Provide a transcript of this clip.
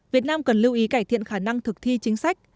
việt nam cần lưu ý cải thiện khả năng thực thi chính sách